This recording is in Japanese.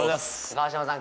川島さん。